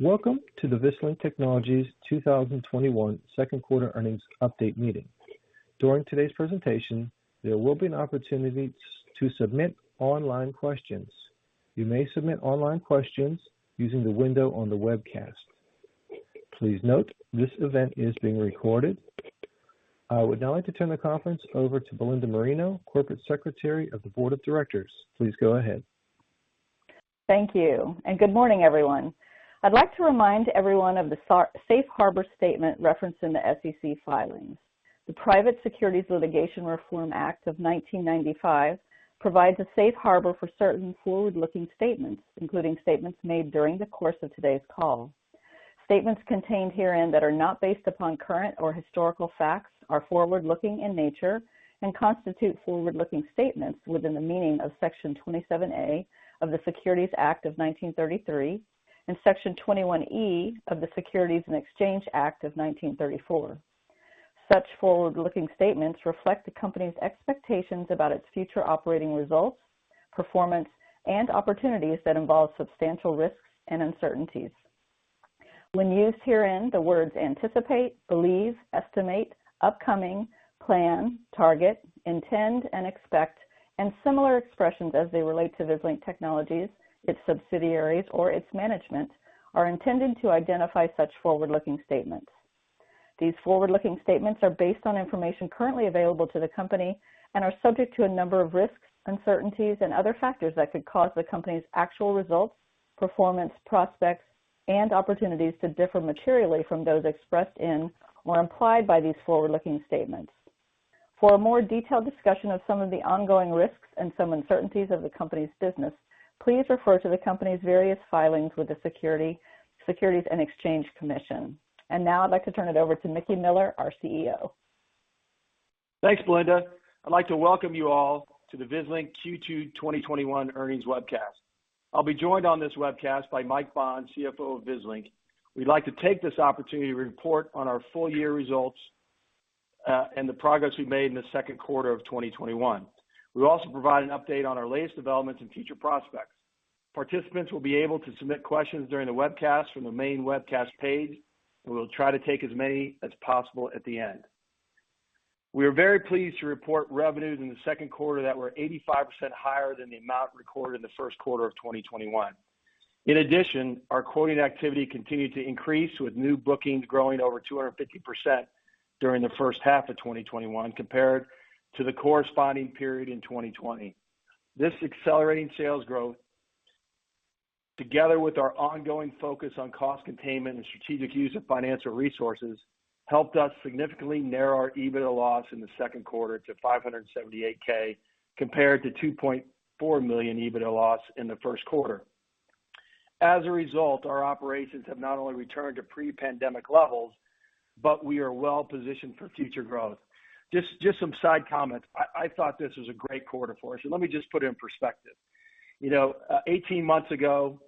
Welcome to the Vislink Technologies 2021 second quarter earnings update meeting. During today's presentation, there will be an opportunity to submit online questions. You may submit online questions using the window on the webcast. Please note this event is being recorded. I would now like to turn the conference over to Belinda Marino, Corporate Secretary of the Board of Directors. Please go ahead. Thank you, and good morning, everyone. I'd like to remind everyone of the Safe Harbor Statement referenced in the SEC filings. The Private Securities Litigation Reform Act of 1995 provides a safe harbor for certain forward-looking statements, including statements made during the course of today's call. Statements contained herein that are not based upon current or historical facts are forward-looking in nature and constitute forward-looking statements within the meaning of Section 27A of the Securities Act of 1933 and Section 21E of the Securities and Exchange Act of 1934. Such forward-looking statements reflect the company's expectations about its future operating results, performance, and opportunities that involve substantial risks and uncertainties. When used herein, the words anticipate, believe, estimate, upcoming, plan, target, intend, and expect, and similar expressions as they relate to Vislink Technologies, its subsidiaries, or its management, are intended to identify such forward-looking statements. These forward-looking statements are based on information currently available to the company and are subject to a number of risks, uncertainties, and other factors that could cause the company's actual results, performance, prospects, and opportunities to differ materially from those expressed in or implied by these forward-looking statements. For a more detailed discussion of some of the ongoing risks and some uncertainties of the company's business, please refer to the company's various filings with the Securities and Exchange Commission. Now I'd like to turn it over to Mickey Miller, our CEO. Thanks, Belinda. I'd like to welcome you all to the Vislink Q2 2021 earnings webcast. I'll be joined on this webcast by Mike Bond, CFO of Vislink. We'd like to take this opportunity to report on our full-year results, and the progress we've made in the second quarter of 2021. We'll also provide an update on our latest developments and future prospects. Participants will be able to submit questions during the webcast from the main webcast page, and we'll try to take as many as possible at the end. We are very pleased to report revenues in the second quarter that were 85% higher than the amount recorded in the first quarter of 2021. In addition, our quoting activity continued to increase, with new bookings growing over 250% during the first half of 2021 compared to the corresponding period in 2020. This accelerating sales growth, together with our ongoing focus on cost containment and strategic use of financial resources, helped us significantly narrow our EBITDA loss in the second quarter to $578,000, compared to $2.4 million EBITDA loss in the first quarter. As a result, our operations have not only returned to pre-pandemic levels, but we are well positioned for future growth. Just some side comments. I thought this was a great quarter for us, and let me just put it in perspective. 18 months ago,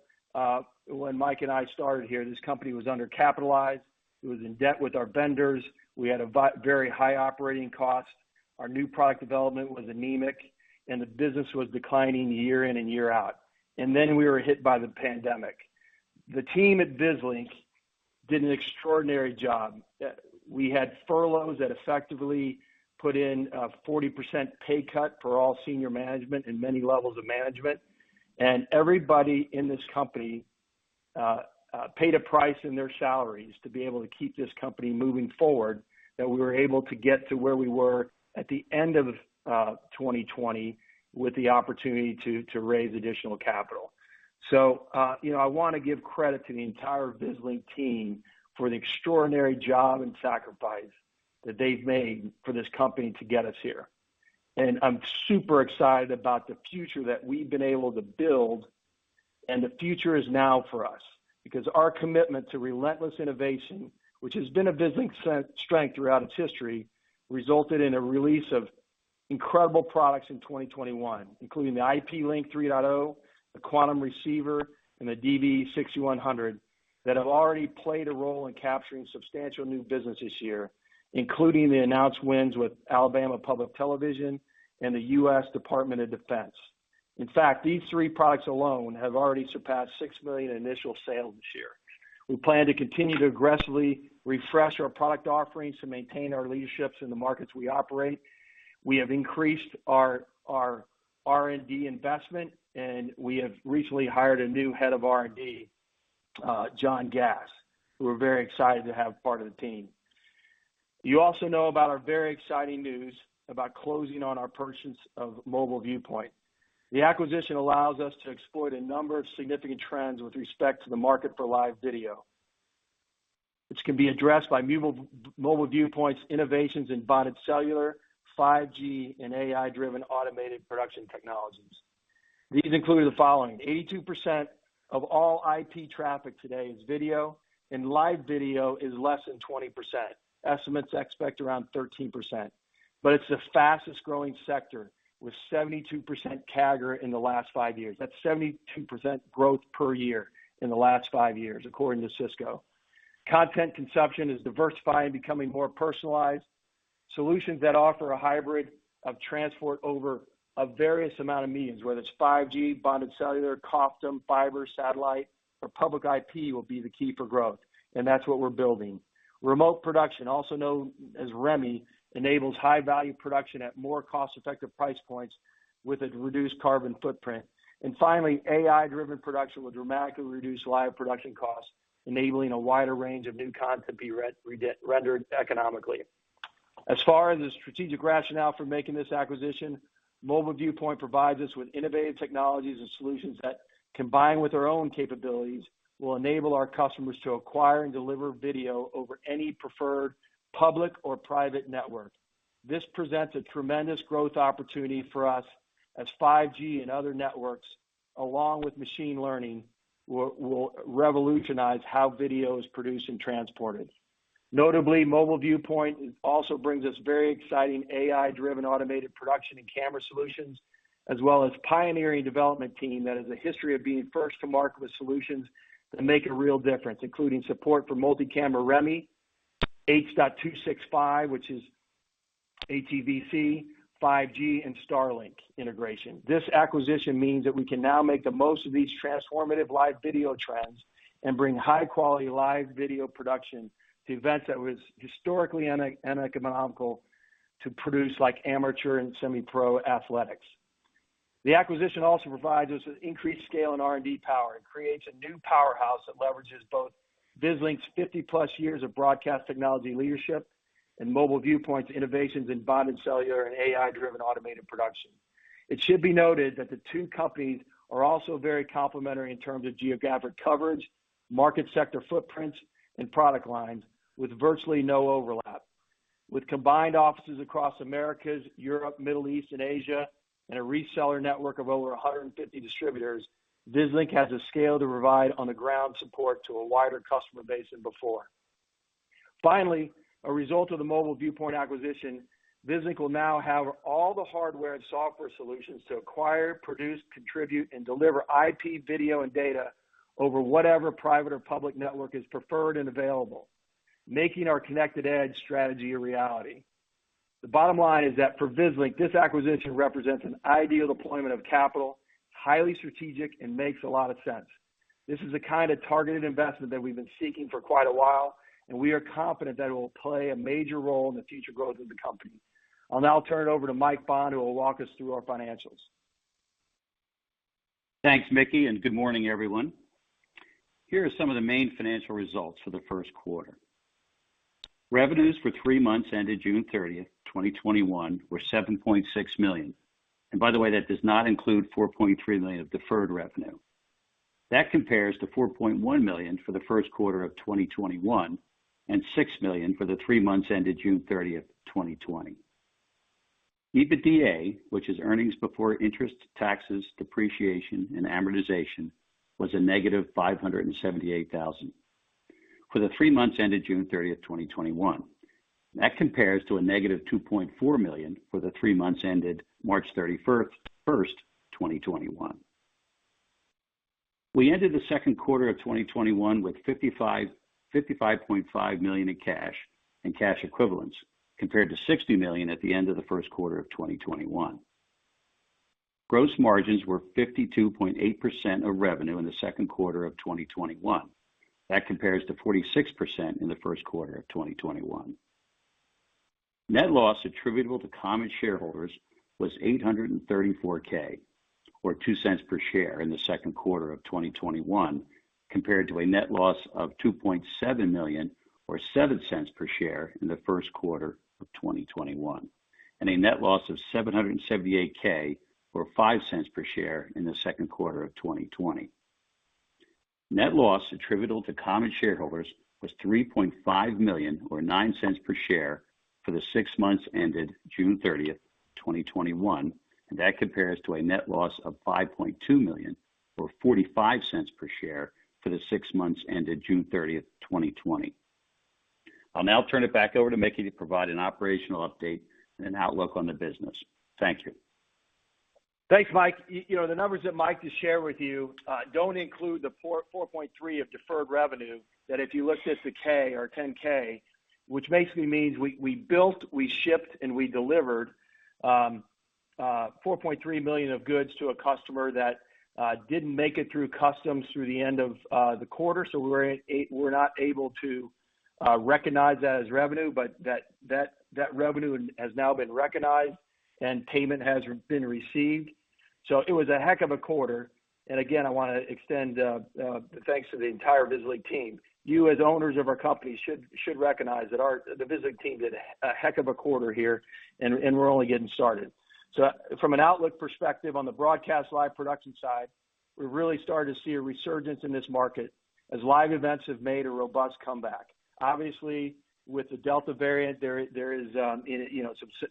when Mike and I started here, this company was under-capitalized. It was in debt with our vendors. We had a very high operating cost. Our new product development was anemic, and the business was declining year in and year out. Then we were hit by the pandemic. The team at Vislink did an extraordinary job. We had furloughs that effectively put in a 40% pay cut for all senior management and many levels of management. Everybody in this company paid a price in their salaries to be able to keep this company moving forward, that we were able to get to where we were at the end of 2020 with the opportunity to raise additional capital. I want to give credit to the entire Vislink team for the extraordinary job and sacrifice that they've made for this company to get us here. I'm super excited about the future that we've been able to build, and the future is now for us. Our commitment to relentless innovation, which has been a Vislink strength throughout its history, resulted in a release of incredible products in 2021, including the IP Link 3.0, the Quantum Receiver, and the DVE6100, that have already played a role in capturing substantial new business this year, including the announced wins with Alabama Public Television and the U.S. Department of Defense. In fact, these three products alone have already surpassed $6 million in initial sales this year. We plan to continue to aggressively refresh our product offerings to maintain our leadership in the markets we operate. We have increased our R&D investment, and we have recently hired a new head of R&D, John Gass, who we're very excited to have part of the team. You also know about our very exciting news about closing on our purchase of Mobile Viewpoint. The acquisition allows us to exploit a number of significant trends with respect to the market for live video, which can be addressed by Mobile Viewpoint's innovations in bonded cellular, 5G, and AI-driven automated production technologies. These include the following: 82% of all IP traffic today is video, and live video is less than 20%. Estimates expect around 13%, but it's the fastest-growing sector, with 72% CAGR in the last five years. That's 72% growth per year in the last five years, according to Cisco. Content consumption is diversifying and becoming more personalized. Solutions that offer a hybrid of transport over a various amount of mediums, whether it's 5G, bonded cellular, COFDM, fiber, satellite, or public IP, will be the key for growth, and that's what we're building. Remote production, also known as REMI, enables high-value production at more cost-effective price points with a reduced carbon footprint. Finally, AI-driven production will dramatically reduce live production costs, enabling a wider range of new content be rendered economically. As far as the strategic rationale for making this acquisition, Mobile Viewpoint provides us with innovative technologies and solutions that, combined with our own capabilities, will enable our customers to acquire and deliver video over any preferred public or private network. This presents a tremendous growth opportunity for us as 5G and other networks, along with machine learning, will revolutionize how video is produced and transported. Notably, Mobile Viewpoint also brings us very exciting AI-driven automated production and camera solutions, as well as pioneering development team that has a history of being first to market with solutions that make a real difference, including support for multi-camera REMI, H.265, which is HEVC, 5G, and Starlink integration. This acquisition means that we can now make the most of these transformative live video trends and bring high-quality live video production to events that was historically uneconomical to produce, like amateur and semi-pro athletics. The acquisition also provides us with increased scale and R&D power and creates a new powerhouse that leverages both Vislink's 50+ years of broadcast technology leadership and Mobile Viewpoint's innovations in bonded cellular and AI-driven automated production. It should be noted that the two companies are also very complementary in terms of geographic coverage, market sector footprints, and product lines, with virtually no overlap. With combined offices across Americas, Europe, Middle East, and Asia, and a reseller network of over 150 distributors, Vislink has the scale to provide on-the-ground support to a wider customer base than before. Finally, a result of the Mobile Viewpoint acquisition, Vislink will now have all the hardware and software solutions to acquire, produce, contribute, and deliver IP video and data over whatever private or public network is preferred and available, making our connected edge strategy a reality. The bottom line is that for Vislink, this acquisition represents an ideal deployment of capital, highly strategic, and makes a lot of sense. This is the kind of targeted investment that we've been seeking for quite a while, and we are confident that it will play a major role in the future growth of the company. I'll now turn it over to Mike Bond, who will walk us through our financials. Thanks, Mickey, and good morning, everyone. Here are some of the main financial results for the first quarter. Revenues for three months ended June 30th, 2021, were $7.6 million. By the way, that does not include $4.3 million of deferred revenue. That compares to $4.1 million for the first quarter of 2021, and $6 million for the three months ended June 30th, 2020. EBITDA, which is earnings before interest, taxes, depreciation, and amortization, was -$578,000 for the three months ended June 30th, 2021. That compares to -$2.4 million for the three months ended March 31st, 2021. We ended the second quarter of 2021 with $55.5 million in cash and cash equivalents, compared to $60 million at the end of the first quarter of 2021. Gross margins were 52.8% of revenue in the second quarter of 2021. That compares to 46% in the first quarter of 2021. Net loss attributable to common shareholders was $834,000, or $0.02 per share in the second quarter of 2021, compared to a net loss of $2.7 million or $0.07 per share in the first quarter of 2021, and a net loss of $778,000 or $0.05 per share in the second quarter of 2020. Net loss attributable to common shareholders was $3.5 million or $0.09 per share for the six months ended June 30th, 2021, and that compares to a net loss of $5.2 million or $0.45 per share for the six months ended June 30th, 2020. I'll now turn it back over to Mickey to provide an operational update and an outlook on the business. Thank you. Thanks, Mike. The numbers that Mike just shared with you don't include the $4.3 million of deferred revenue, that if you looked at the K or 10-K, which basically means we built, we shipped, and we delivered $4.3 million of goods to a customer that didn't make it through customs through the end of the quarter. We were not able to recognize that as revenue. That revenue has now been recognized, and payment has been received. It was a heck of a quarter. Again, I want to extend thanks to the entire Vislink team. You, as owners of our company, should recognize that the Vislink team did a heck of a quarter here, and we're only getting started. From an outlook perspective on the broadcast live production side, we're really starting to see a resurgence in this market as live events have made a robust comeback. Obviously, with the Delta variant, there is some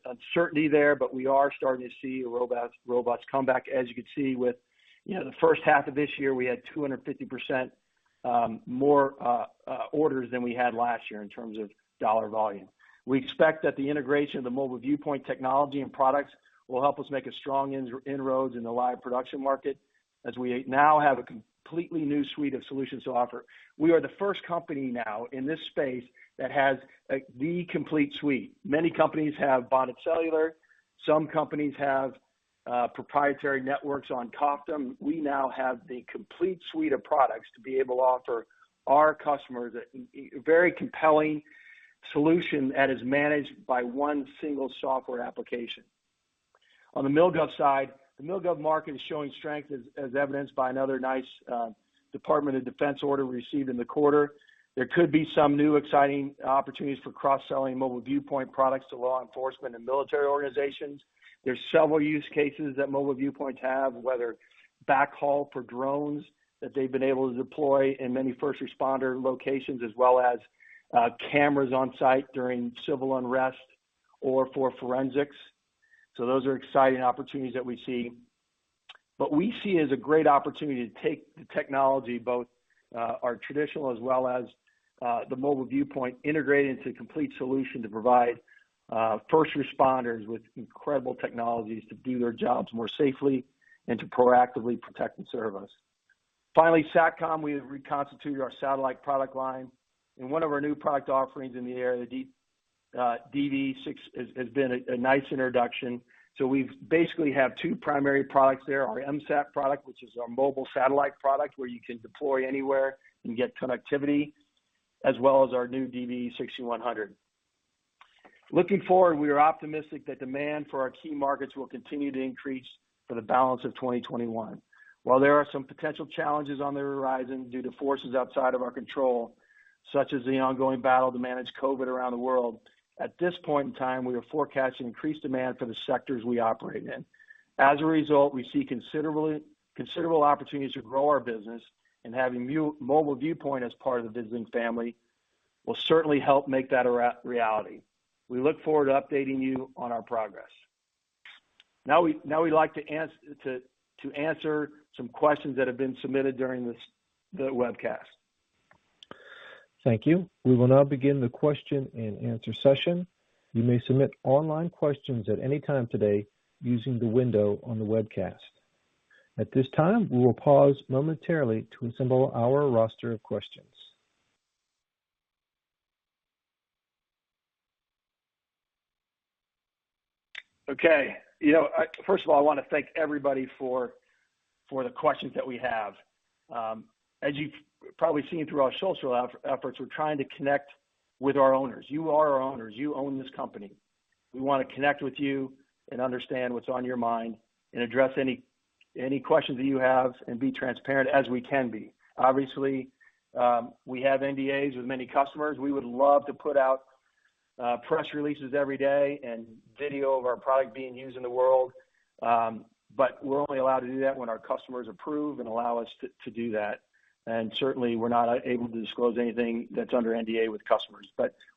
uncertainty there, but we are starting to see a robust comeback. As you can see with the first half of this year, we had 250% more orders than we had last year in terms of dollar volume. We expect that the integration of the Mobile Viewpoint technology and products will help us make a strong inroads in the live production market as we now have a completely new suite of solutions to offer. We are the first company now in this space that has the complete suite. Many companies have bonded cellular, some companies have proprietary networks on top of them. We now have the complete suite of products to be able to offer our customers a very compelling solution that is managed by one single software application. On the MilGov side, the MilGov market is showing strength as evidenced by another nice Department of Defense order received in the quarter. There could be some new exciting opportunities for cross-selling Mobile Viewpoint products to law enforcement and military organizations. There's several use cases that Mobile Viewpoint have, whether backhaul for drones that they've been able to deploy in many first responder locations, as well as cameras on site during civil unrest or for forensics. Those are exciting opportunities that we see. What we see as a great opportunity to take the technology, both our traditional as well as the Mobile Viewpoint, integrate into complete solution to provide first responders with incredible technologies to do their jobs more safely and to proactively protect and serve us. Finally, Satcom, we have reconstituted our satellite product line, and one of our new product offerings in the air, the DV6, has been a nice introduction. We basically have two primary products there: our MSAT product, which is our mobile satellite product, where you can deploy anywhere and get connectivity, as well as our new DVE6100. Looking forward, we are optimistic that demand for our key markets will continue to increase for the balance of 2021. While there are some potential challenges on the horizon due to forces outside of our control, such as the ongoing battle to manage COVID around the world, at this point in time, we are forecasting increased demand for the sectors we operate in. As a result, we see considerable opportunities to grow our business, and having Mobile Viewpoint as part of the Vislink family will certainly help make that a reality. We look forward to updating you on our progress. Now we'd like to answer some questions that have been submitted during the webcast. Thank you. We will now begin the question and answer session. You may submit online questions at any time today using the window on the webcast. At this time, we will pause momentarily to assemble our roster of questions. Okay. First of all, I want to thank everybody for the questions that we have. As you've probably seen through our social efforts, we're trying to connect with our owners. You are our owners. You own this company. We want to connect with you and understand what's on your mind and address any questions that you have and be transparent as we can be. Obviously, we have NDAs with many customers. We would love to put out press releases every day and video of our product being used in the world. We're only allowed to do that when our customers approve and allow us to do that. Certainly, we're not able to disclose anything that's under NDA with customers.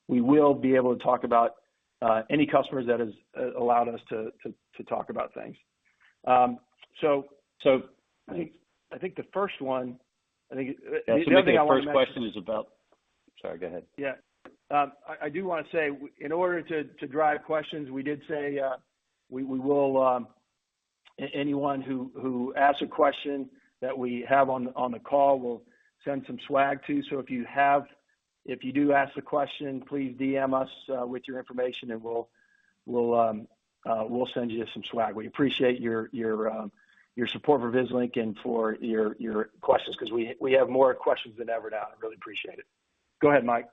We will be able to talk about any customers that has allowed us to talk about things. I think the first question is about. Sorry, go ahead. Yeah. I do want to say, in order to drive questions, we did say anyone who asks a question that we have on the call, we'll send some swag to. If you do ask the question, please DM us with your information, and we'll send you some swag. We appreciate your support for Vislink and for your questions, because we have more questions than ever now, and really appreciate it. Go ahead, Mike.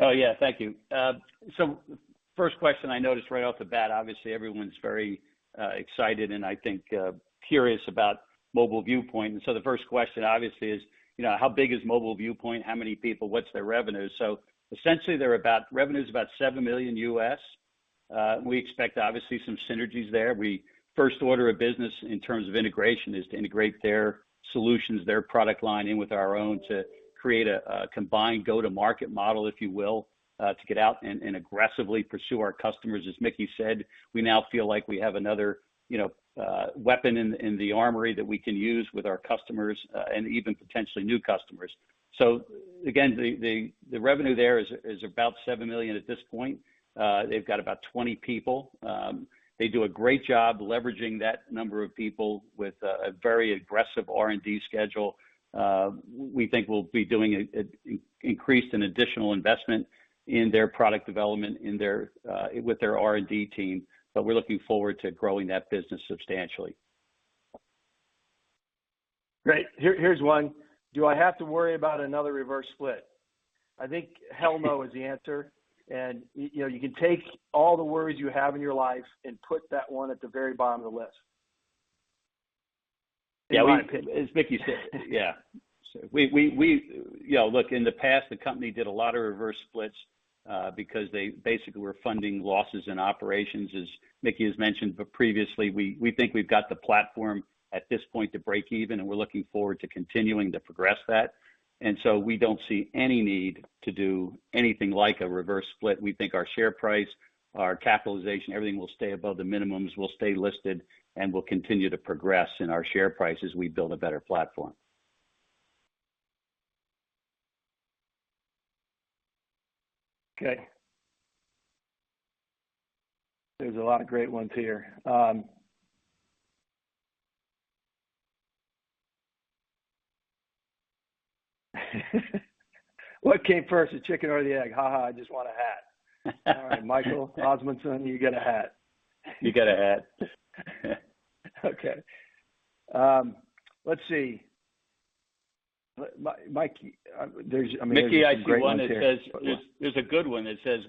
Oh, yeah. Thank you. First question I noticed right off the bat, obviously, everyone's very excited and I think curious about Mobile Viewpoint. The first question, obviously, is how big is Mobile Viewpoint? How many people? What's their revenue? Essentially, revenue is about $7 million. We expect, obviously, some synergies there. First order of business in terms of integration is to integrate their solutions, their product line in with our own to create a combined go-to-market model, if you will, to get out and aggressively pursue our customers. As Mickey said, we now feel like we have another weapon in the armory that we can use with our customers and even potentially new customers. Again, the revenue there is about $7 million at this point. They've got about 20 people. They do a great job leveraging that number of people with a very aggressive R&D schedule. We think we'll be doing an increase in additional investment in their product development with their R&D team, but we're looking forward to growing that business substantially. Great. Here's one. Do I have to worry about another reverse split? I think hell no is the answer, and you can take all the worries you have in your life and put that one at the very bottom of the list. In my opinion. As Mickey said. Look, in the past, the company did a lot of reverse splits, because they basically were funding losses in operations, as Mickey has mentioned previously. We think we've got the platform at this point to break even, and we're looking forward to continuing to progress that. We don't see any need to do anything like a reverse split. We think our share price, our capitalization, everything will stay above the minimums. We'll stay listed, and we'll continue to progress in our share price as we build a better platform. Okay. There's a lot of great ones here. What came first, the chicken or the egg? I just want a hat. All right, Michael Osmundson, you get a hat. You get a hat. Okay. Let's see. Mike, I mean, there's some great ones here. Mickey, I see one that says, there's a good one that says,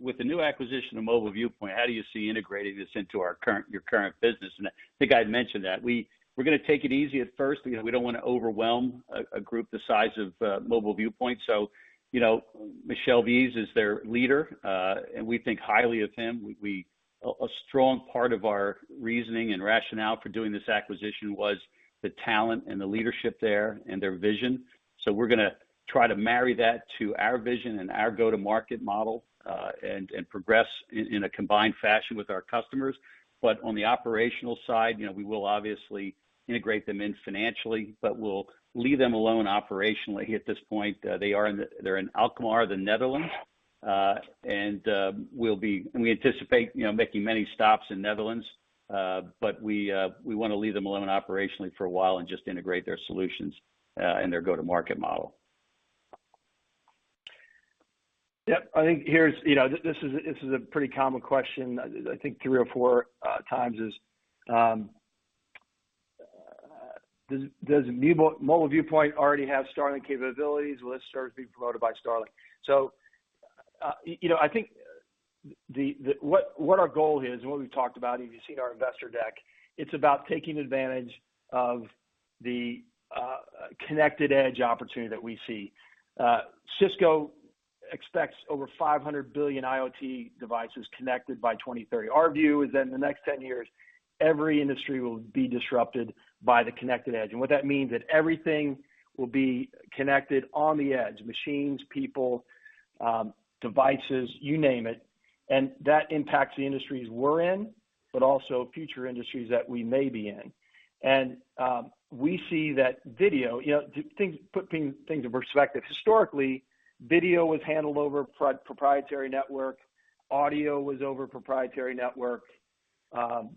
"With the new acquisition of Mobile Viewpoint, how do you see integrating this into your current business?" I think I'd mentioned that. We're going to take it easy at first. We don't want to overwhelm a group the size of Mobile Viewpoint. Michel Bais is their leader, and we think highly of him. A strong part of our reasoning and rationale for doing this acquisition was the talent and the leadership there and their vision. We're going to try to marry that to our vision and our go-to-market model, and progress in a combined fashion with our customers. On the operational side, we will obviously integrate them in financially, but we'll leave them alone operationally at this point. They're in Alkmaar, the Netherlands. We anticipate making many stops in Netherlands. We want to leave them alone operationally for a while and just integrate their solutions, and their go-to-market model. Yep. I think this is a pretty common question. I think three or four times is, does Mobile Viewpoint already have Starlink capabilities? Will it start to be promoted by Starlink? I think what our goal is, and what we've talked about, if you've seen our investor deck, it's about taking advantage of the connected edge opportunity that we see. Cisco expects over 500 billion IoT devices connected by 2030. Our view is that in the next 10 years, every industry will be disrupted by the connected edge. What that means is that everything will be connected on the edge. Machines, people, devices, you name it. That impacts the industries we're in, but also future industries that we may be in. We see that video, put things in perspective. Historically, video was handled over proprietary network. Audio was over proprietary network.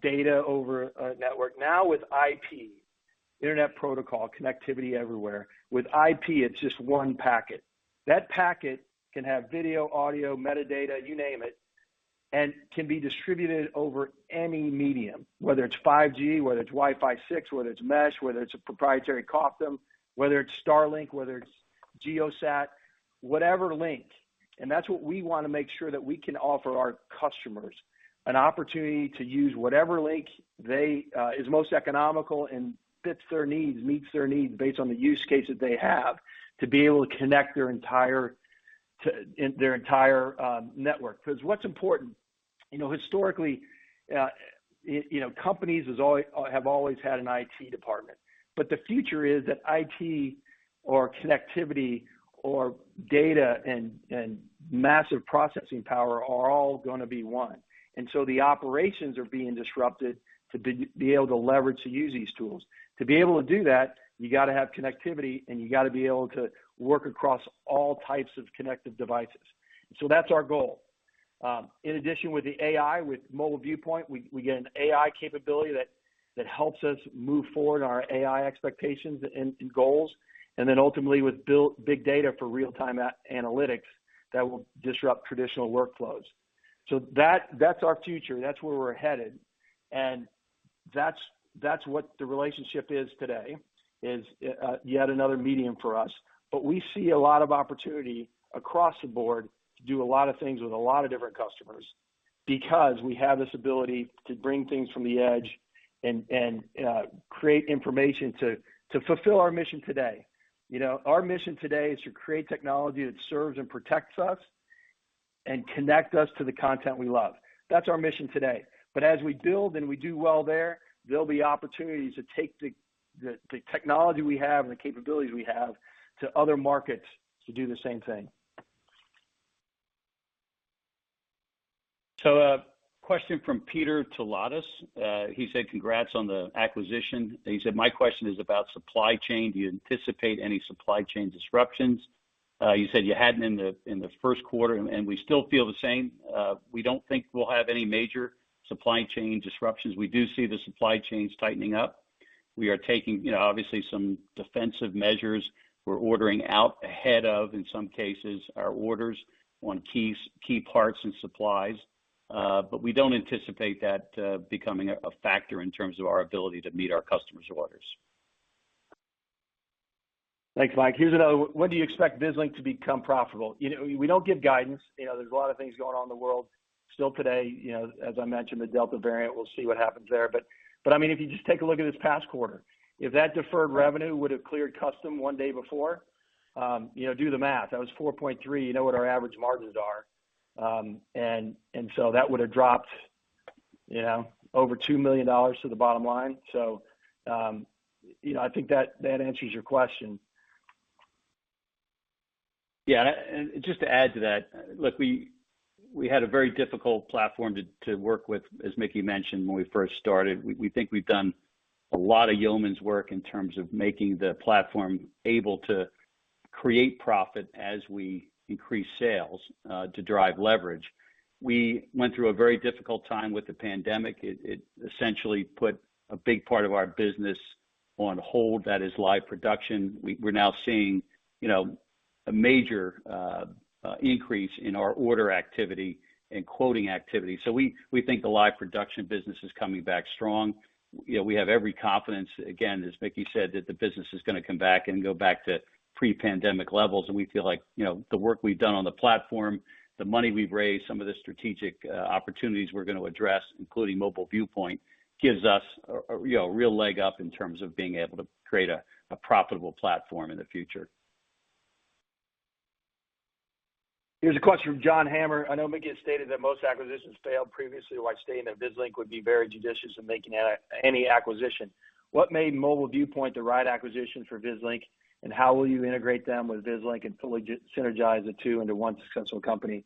Data over a network. Now with IP, Internet Protocol, connectivity everywhere. With IP, it's just one packet. That packet can have video, audio, metadata, you name it, and can be distributed over any medium, whether it's 5G, whether it's Wi-Fi 6, whether it's mesh, whether it's a proprietary COFDM, whether it's Starlink, whether it's GEO-SAT, whatever link. That's what we want to make sure that we can offer our customers, an opportunity to use whatever link is most economical and fits their needs, meets their needs based on the use case that they have to be able to connect their entire network. Because what's important, historically, companies have always had an IT department. The future is that IT or connectivity or data and massive processing power are all going to be one. The operations are being disrupted to be able to leverage to use these tools. To be able to do that, you got to have connectivity, and you got to be able to work across all types of connected devices. That's our goal. In addition, with the AI, with Mobile Viewpoint, we get an AI capability that helps us move forward our AI expectations and goals. Ultimately with big data for real-time analytics, that will disrupt traditional workflows. That's our future. That's where we're headed. That's what the relationship is today, is yet another medium for us. We see a lot of opportunity across the board to do a lot of things with a lot of different customers because we have this ability to bring things from the edge and create information to fulfill our mission today. Our mission today is to create technology that serves and protects us and connect us to the content we love. That's our mission today. As we build and we do well there'll be opportunities to take the technology we have and the capabilities we have to other markets to do the same thing. A question from Peter Tolotas. He said, "Congrats on the acquisition." He said, "My question is about supply chain. Do you anticipate any supply chain disruptions?" You said you hadn't in the first quarter, and we still feel the same. We don't think we'll have any major supply chain disruptions. We do see the supply chains tightening up. We are taking, obviously, some defensive measures. We're ordering out ahead of, in some cases, our orders on key parts and supplies. We don't anticipate that becoming a factor in terms of our ability to meet our customers' orders. Thanks, Mike. Here's another one. When do you expect Vislink to become profitable? We don't give guidance. There's a lot of things going on in the world still today. As I mentioned, the Delta variant, we'll see what happens there. If you just take a look at this past quarter, if that deferred revenue would've cleared custom one day before, do the math. That was $4.3 million. You know what our average margins are. That would've dropped over $2 million to the bottom line. I think that answers your question. Yeah. Just to add to that, look, we had a very difficult platform to work with, as Mickey mentioned, when we first started. We think we've done a lot of yeoman's work in terms of making the platform able to create profit as we increase sales to drive leverage. We went through a very difficult time with the pandemic. It essentially put a big part of our business on hold that is live production. We're now seeing a major increase in our order activity and quoting activity. We think the live production business is coming back strong. We have every confidence, again, as Mickey said, that the business is going to come back and go back to pre-pandemic levels. We feel like the work we've done on the platform, the money we've raised, some of the strategic opportunities we're going to address, including Mobile Viewpoint, gives us a real leg up in terms of being able to create a profitable platform in the future. Here's a question from John Hammer. I know Mickey has stated that most acquisitions failed previously, why staying at Vislink would be very judicious in making any acquisition. What made Mobile Viewpoint the right acquisition for Vislink, and how will you integrate them with Vislink and fully synergize the two into one successful company?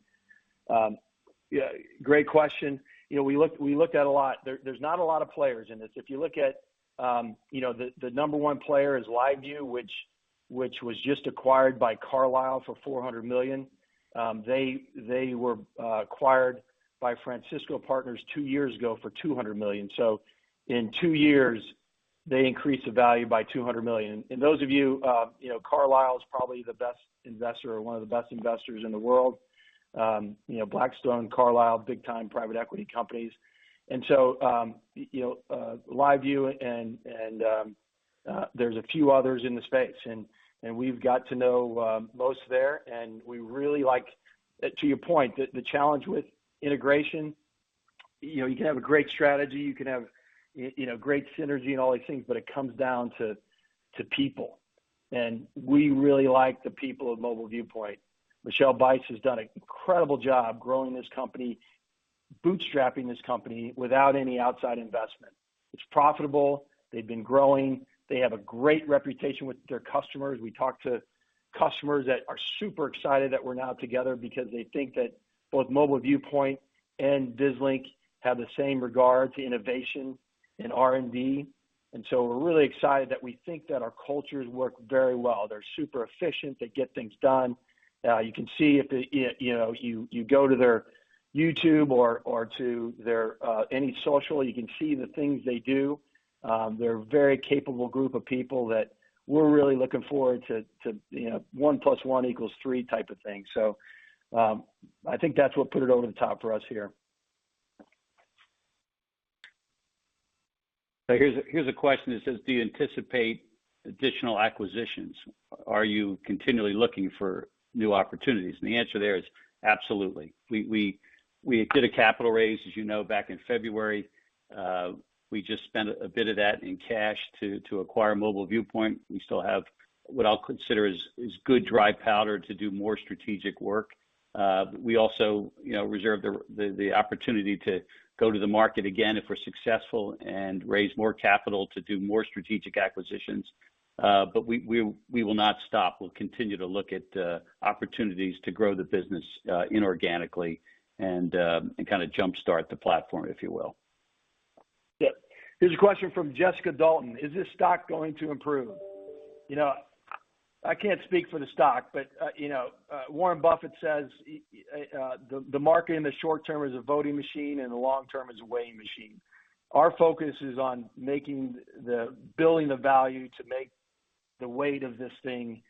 Great question. We looked at a lot. There's not a lot of players in this. If you look at the number one player is LiveU, which was just acquired by Carlyle for $400 million. They were acquired by Francisco Partners two years ago for $200 million. In two years, they increased the value by $200 million. Those of you, Carlyle is probably the best investor or one of the best investors in the world. Blackstone, Carlyle, big time private equity companies. LiveU and there's a few others in the space, and we've got to know most there, and we really like, to your point, the challenge with integration, you can have a great strategy, you can have great synergy and all these things, but it comes down to people. We really like the people of Mobile Viewpoint. Michel Bais has done an incredible job growing this company, bootstrapping this company without any outside investment. It's profitable. They've been growing. They have a great reputation with their customers. We talk to customers that are super excited that we're now together because they think that both Mobile Viewpoint and Vislink have the same regard to innovation and R&D. We're really excited that we think that our cultures work very well. They're super efficient. They get things done. You can see if you go to their YouTube or to any social, you can see the things they do. They're a very capable group of people that we're really looking forward to 1 + 1 = 3 type of thing. I think that's what put it over the top for us here. Here's a question that says, do you anticipate additional acquisitions? Are you continually looking for new opportunities? The answer there is absolutely. We did a capital raise, as you know, back in February. We just spent a bit of that in cash to acquire Mobile Viewpoint. We still have what I'll consider is good dry powder to do more strategic work. We also reserve the opportunity to go to the market again if we're successful and raise more capital to do more strategic acquisitions. We will not stop. We'll continue to look at opportunities to grow the business inorganically and kind of jumpstart the platform, if you will. Here's a question from Jessica Dalton. Is this stock going to improve? I can't speak for the stock. Warren Buffett says the market in the short term is a voting machine and the long term is a weighing machine. Our focus is on building the value to make the weight of this thing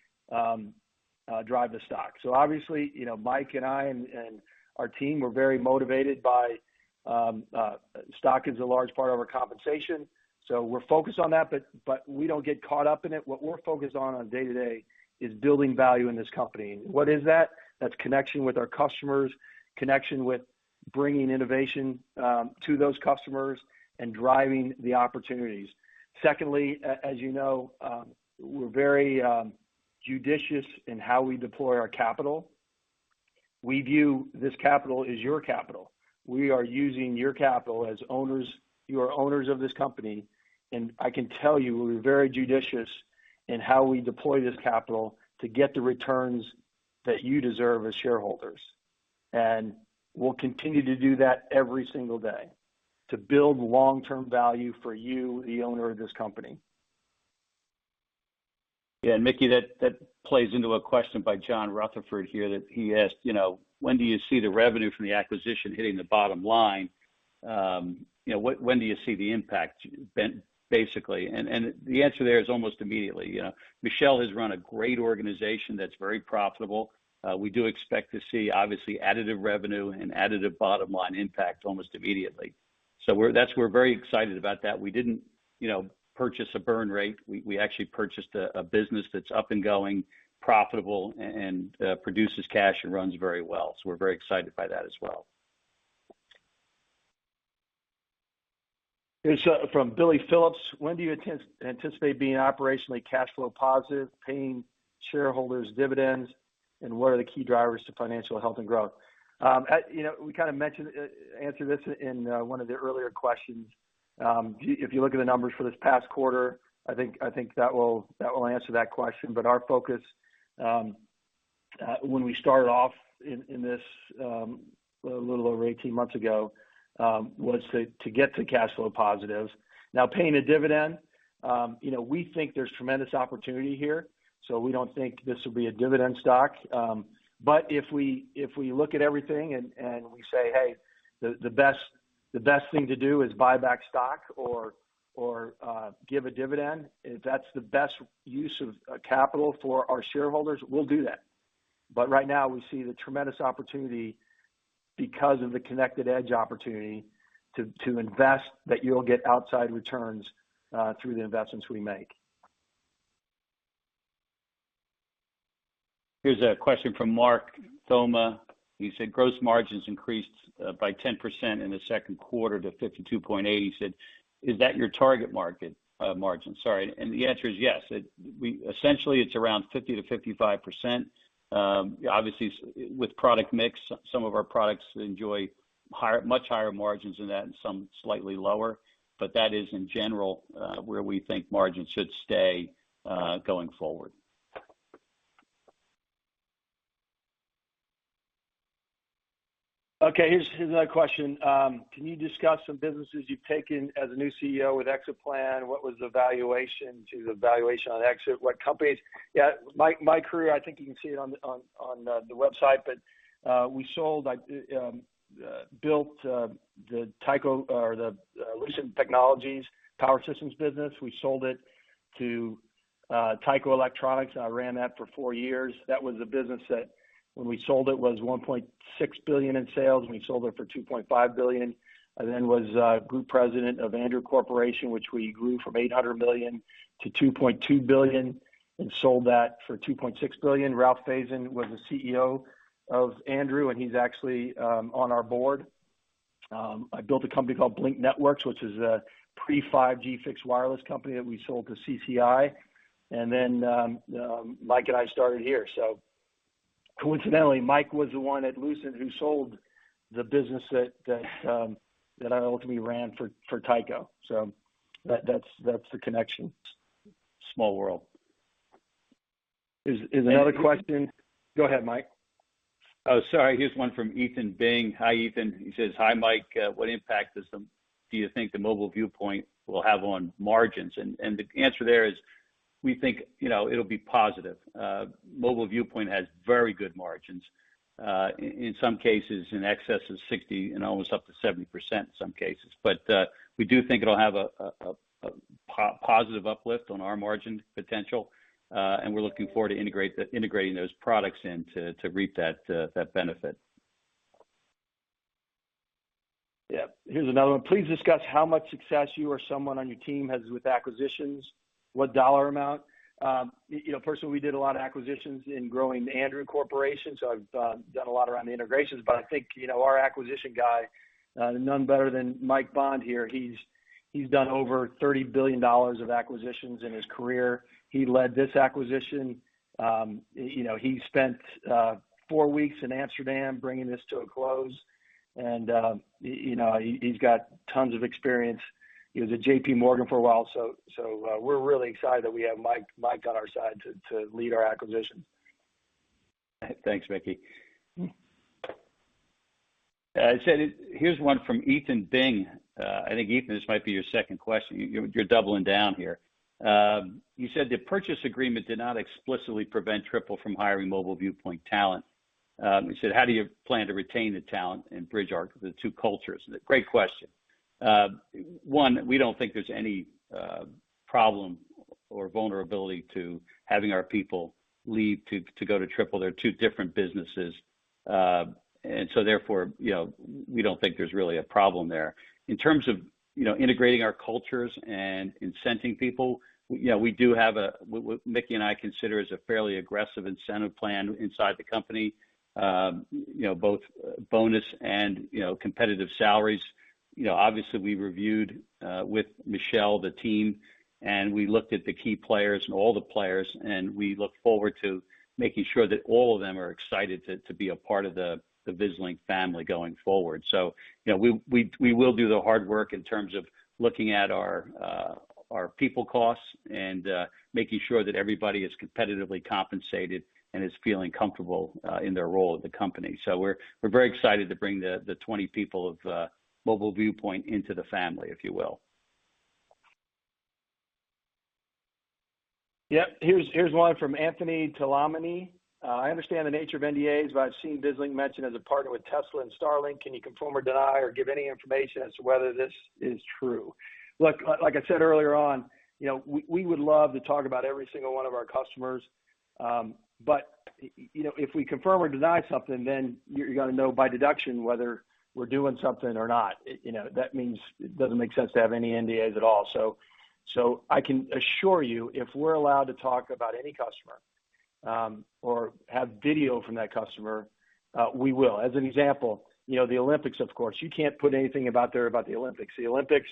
drive the stock. Obviously, Mike and I and our team, we're very motivated by stock as a large part of our compensation. We're focused on that, but we don't get caught up in it. What we're focused on on a day-to-day is building value in this company. What is that? That's connection with our customers, connection with bringing innovation to those customers, and driving the opportunities. Secondly, as you know, we're very judicious in how we deploy our capital. We view this capital as your capital. We are using your capital as owners. You are owners of this company, and I can tell you, we're very judicious in how we deploy this capital to get the returns that you deserve as shareholders. We'll continue to do that every single day to build long-term value for you, the owner of this company. Yeah. Mickey, that plays into a question by John Rutherford here that he asked, when do you see the revenue from the acquisition hitting the bottom line? When do you see the impact, basically? The answer there is almost immediately. Michel has run a great organization that's very profitable. We do expect to see, obviously, additive revenue and additive bottom-line impact almost immediately. We're very excited about that. We didn't purchase a burn rate. We actually purchased a business that's up and going, profitable, and produces cash and runs very well. We're very excited by that as well. Here's from Billy Phillips. When do you anticipate being operationally cash flow positive, paying shareholders dividends, and what are the key drivers to financial health and growth? We kind of answered this in one of the earlier questions. If you look at the numbers for this past quarter, I think that will answer that question. Our focus, when we started off in this a little over 18 months ago, was to get to cash flow positive. Now, paying a dividend, we think there's tremendous opportunity here. We don't think this will be a dividend stock. If we look at everything and we say, "Hey, the best thing to do is buy back stock or give a dividend. If that's the best use of capital for our shareholders, we'll do that. Right now, we see the tremendous opportunity because of the connected edge opportunity to invest, that you'll get outside returns through the investments we make. Here's a question from Mark Thoma. He said, "Gross margins increased by 10% in the second quarter to 52.8%." He said, "Is that your target margin?" The answer is yes. Essentially, it's around 50%-55%. Obviously, with product mix, some of our products enjoy much higher margins than that and some slightly lower, but that is in general where we think margins should stay going forward. Okay, here's another question. "Can you discuss some businesses you've taken as a new CEO with exit plan? What was the valuation to the valuation on exit? What companies?" Yeah, my career, I think you can see it on the website, but we built the Lucent Technologies Power Systems business. We sold it to Tyco Electronics. I ran that for four years. That was a business that when we sold it was $1.6 billion in sales, and we sold it for $2.5 billion, and then was group president of Andrew Corporation, which we grew from $800 million to $2.2 billion and sold that for $2.6 billion. Ralph Faison was the CEO of Andrew, and he's actually on our board. I built a company called BLiNQ Networks, which is a pre-5G fixed wireless company that we sold to CCI. Mike and I started here. Coincidentally, Mike was the one at Lucent who sold the business that I ultimately ran for Tyco. That's the connection. Small world. There's another question. Go ahead, Mike. Oh, sorry. Here's one from Ethan Bing. Hi, Ethan. He says, "Hi, Mike. What impact do you think the Mobile Viewpoint will have on margins?" We think it'll be positive. Mobile Viewpoint has very good margins. In some cases, in excess of 60% and almost up to 70% in some cases. We do think it'll have a positive uplift on our margin potential. We're looking forward to integrating those products in to reap that benefit. Yeah. Here's another one. "Please discuss how much success you or someone on your team has with acquisitions. What dollar amount?" Personally, we did a lot of acquisitions in growing Andrew Corporation, so I've done a lot around the integrations. I think our acquisition guy, none better than Mike Bond here. He's done over $30 billion of acquisitions in his career. He led this acquisition. He spent four weeks in Amsterdam bringing this to a close. He's got tons of experience. He was at JPMorgan for a while, so we're really excited that we have Mike on our side to lead our acquisition. Thanks, Mickey. Here's one from Ethan Bing. I think Ethan, this might be your second question. You're doubling down here. You said, "The purchase agreement did not explicitly prevent Triple from hiring Mobile Viewpoint talent." He said, "How do you plan to retain the talent and bridge the two cultures?" Great question. One, we don't think there's any problem or vulnerability to having our people leave to go to Triple. They're two different businesses. Therefore, we don't think there's really a problem there. In terms of integrating our cultures and incenting people, we do have what Mickey and I consider is a fairly aggressive incentive plan inside the company, both bonus and competitive salaries. Obviously, we reviewed with Michel, the team, we looked at the key players and all the players, we look forward to making sure that all of them are excited to be a part of the Vislink family going forward. We will do the hard work in terms of looking at our people costs and making sure that everybody is competitively compensated and is feeling comfortable in their role at the company. We're very excited to bring the 20 people of Mobile Viewpoint into the family, if you will. Yep. Here's one from Anthony Telomani. "I understand the nature of NDAs, but I've seen Vislink mentioned as a partner with Tesla and Starlink. Can you confirm or deny or give any information as to whether this is true?" Like I said earlier on, we would love to talk about every single one of our customers. If we confirm or deny something, then you're going to know by deduction whether we're doing something or not. That means it doesn't make sense to have any NDAs at all. I can assure you, if we're allowed to talk about any customer, or have video from that customer, we will. As an example, the Olympics, of course. You can't put anything about there about the Olympics. The Olympics,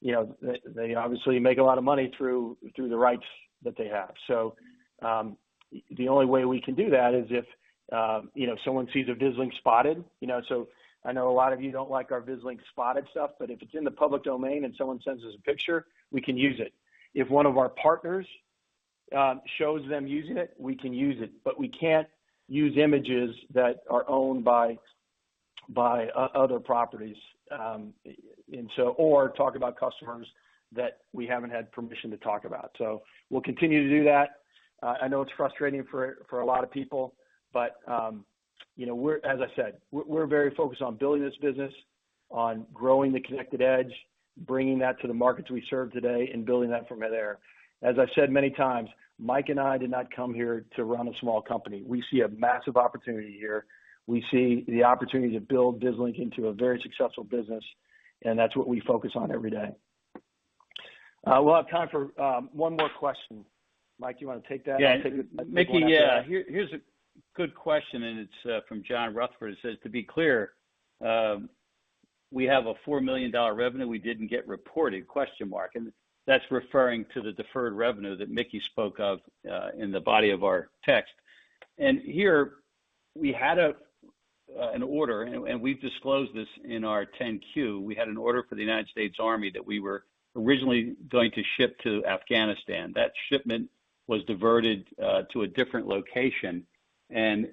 they obviously make a lot of money through the rights that they have. The only way we can do that is if someone sees a Vislink spotted. I know a lot of you don't like our Vislink spotted stuff, but if it's in the public domain and someone sends us a picture, we can use it. If one of our partners shows them using it, we can use it. We can't use images that are owned by other properties or talk about customers that we haven't had permission to talk about. We'll continue to do that. I know it's frustrating for a lot of people, but as I said, we're very focused on building this business, on growing the connected edge, bringing that to the markets we serve today and building that from there. As I've said many times, Mike and I did not come here to run a small company. We see a massive opportunity here. We see the opportunity to build Vislink into a very successful business. That's what we focus on every day. We'll have time for one more question. Mike, do you want to take that? Yeah. Mickey, here's a good question. It's from John Rutherford. It says, "To be clear, we have a $4 million revenue we didn't get reported?" That's referring to the deferred revenue that Mickey spoke of in the body of our text. Here we had an order, and we've disclosed this in our 10-Q. We had an order for the United States Army that we were originally going to ship to Afghanistan. That shipment was diverted to a different location, and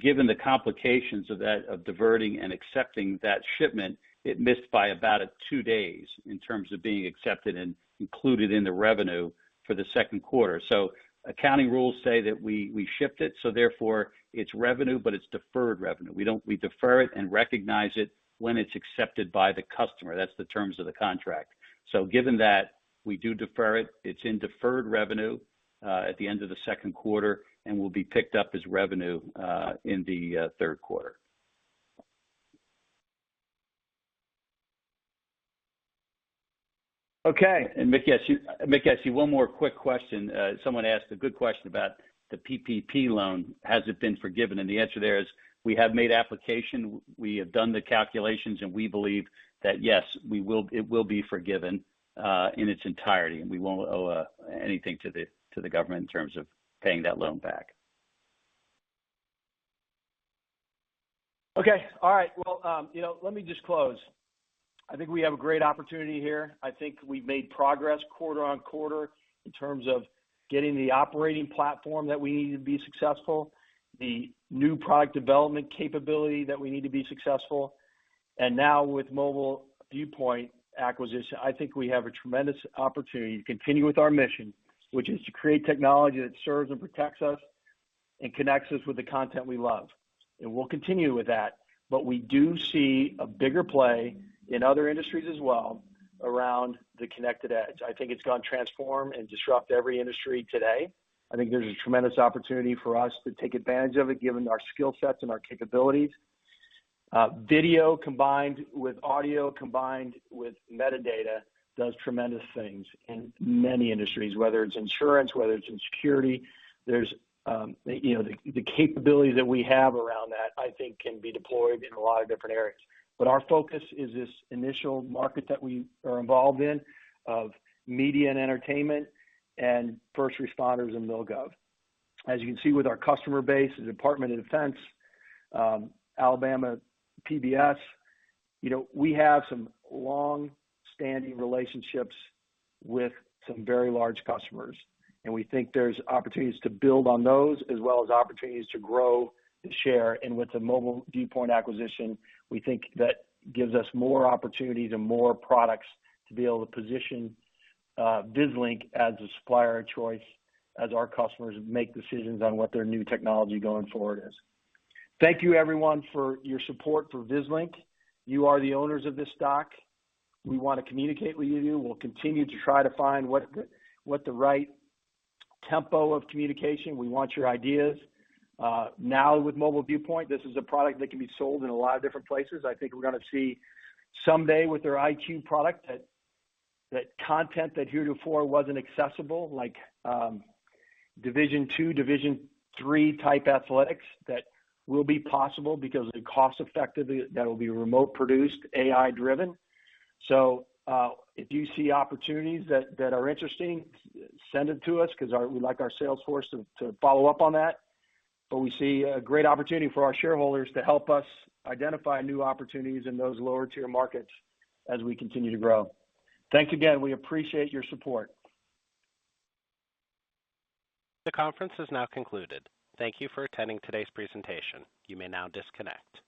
given the complications of diverting and accepting that shipment, it missed by about two days in terms of being accepted and included in the revenue for the second quarter. Accounting rules say that we shipped it, so therefore it's revenue, but it's deferred revenue. We defer it and recognize it when it's accepted by the customer. That's the terms of the contract. Given that we do defer it's in deferred revenue at the end of the second quarter and will be picked up as revenue in the third quarter. Okay. Mickey, I see one more quick question. Someone asked a good question about the PPP loan. Has it been forgiven? The answer there is we have made application, we have done the calculations, and we believe that, yes, it will be forgiven in its entirety, and we won't owe anything to the government in terms of paying that loan back. Okay. All right. Well, let me just close. I think we have a great opportunity here. I think we've made progress quarter-on-quarter in terms of getting the operating platform that we need to be successful, the new product development capability that we need to be successful. Now with Mobile Viewpoint acquisition, I think we have a tremendous opportunity to continue with our mission, which is to create technology that serves and protects us and connects us with the content we love. We'll continue with that. We do see a bigger play in other industries as well around the connected edge. I think it's going to transform and disrupt every industry today. I think there's a tremendous opportunity for us to take advantage of it given our skill sets and our capabilities. Video combined with audio, combined with metadata, does tremendous things in many industries, whether it's insurance, whether it's in security. The capabilities that we have around that, I think, can be deployed in a lot of different areas. Our focus is this initial market that we are involved in of media and entertainment and first responders and MilGov. As you can see with our customer base, the U.S. Department of Defense, Alabama PBS, we have some longstanding relationships with some very large customers, and we think there's opportunities to build on those as well as opportunities to grow and share. With the Mobile Viewpoint acquisition, we think that gives us more opportunities and more products to be able to position Vislink as a supplier of choice as our customers make decisions on what their new technology going forward is. Thank you everyone for your support for Vislink. You are the owners of this stock. We want to communicate with you. We'll continue to try to find what the right tempo of communication. We want your ideas. With Mobile Viewpoint, this is a product that can be sold in a lot of different places. I think we're going to see someday with their IQ product, that content that heretofore wasn't accessible, like Division 2, Division 3 type athletics, that will be possible because it's cost-effective, that will be remote-produced, AI-driven. If you see opportunities that are interesting, send them to us because we like our sales force to follow up on that. We see a great opportunity for our shareholders to help us identify new opportunities in those lower-tier markets as we continue to grow. Thanks again. We appreciate your support. The conference has now concluded. Thank you for attending today's presentation. You may now disconnect.